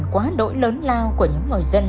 chính lao của những người dân